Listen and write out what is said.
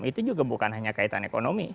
itu juga bukan hanya kaitan ekonomi